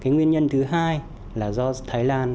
nguyên nhân thứ hai là do thái lan